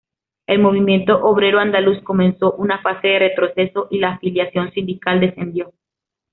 El movimiento obrero andaluz comenzó una fase de retroceso, y la afiliación sindical descendió.